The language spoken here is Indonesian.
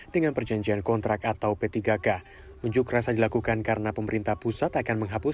dengan perjanjian kontrak atau p tiga k unjuk rasa dilakukan karena pemerintah pusat akan menghapus